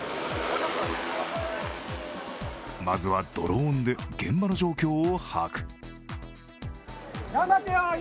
まずはドローンで現場の状況を把握。